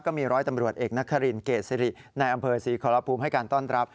ก็มีร้อยตำรวจเอกนักฆิรินเกษริในอำเภอ๔ขอรับภูมิให้การต้อนรับ